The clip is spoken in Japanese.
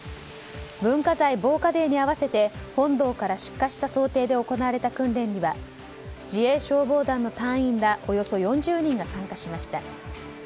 文化財防火デーに合わせて本堂から出火した想定で行われた訓練では自衛消防団の隊員らおよそ４０人が参加しました。